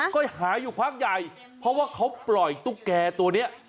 ก็หาอยู่พักใหญ่เพราะว่าเขาปล่อยตุ๊กแก่ตัวนี้